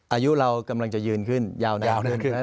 อายุเรากำลังจะยืนขึ้นยาวขึ้น